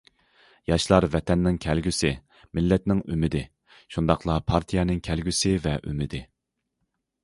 ياشلار ۋەتەننىڭ كەلگۈسى، مىللەتنىڭ ئۈمىدى، شۇنداقلا پارتىيەنىڭ كەلگۈسى ۋە ئۈمىدى.